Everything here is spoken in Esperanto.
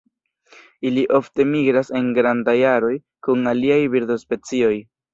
Ili ofte migras en grandaj aroj kun aliaj birdospecioj.